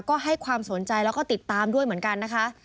ก็ให้ความสนใจแล้วก็ติดตามด้วยเหมือนกันนะคะ